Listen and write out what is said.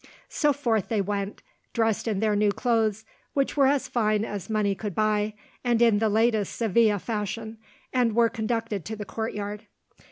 So forth they went, dressed in their new clothes, which were as fine as money could buy, and in the latest Seville fashion, and were conducted to the courtyard.